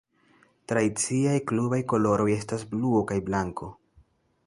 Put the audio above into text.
Tradiciaj klubaj koloroj estas bluo kaj blanko.